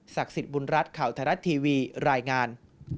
สิทธิ์บุญรัฐข่าวไทยรัฐทีวีรายงาน